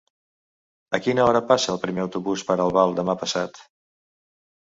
A quina hora passa el primer autobús per Albal demà passat?